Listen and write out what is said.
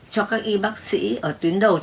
cho các y bác sĩ ở tuyến đầu chống dịch